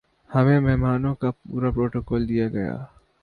ہمیں مہمانوں کا پورا پروٹوکول دیا گیا